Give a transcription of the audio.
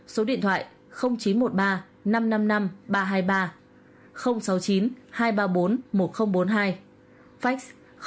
số điện thoại chín trăm một mươi ba năm trăm năm mươi năm ba trăm hai mươi ba sáu mươi chín hai trăm ba mươi bốn một nghìn bốn mươi hai fax sáu mươi chín hai trăm ba mươi bốn một nghìn bốn mươi bốn